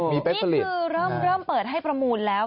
นี่คือเริ่มเปิดให้ประมูลแล้ว